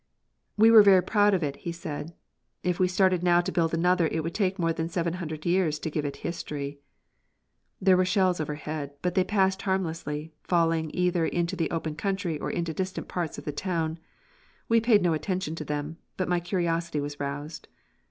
"We were very proud of it," he said. "If we started now to build another it would take more than seven hundred years to give it history." There were shells overhead. But they passed harmlessly, falling either into the open country or into distant parts of the town. We paid no attention to them, but my curiosity was roused.